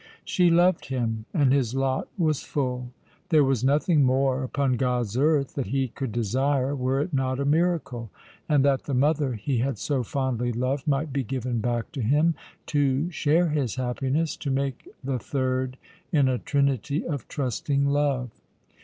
She loved him, and his lot was full. There was nothing more upon God's earth that he could desire, were it not a miracle, and that the mother he had so fondly loved might be given back to him, to share his happiness, to make the third in a trinity of trusting love.